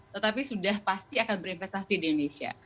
tetapi sudah pasti akan berinvestasi di indonesia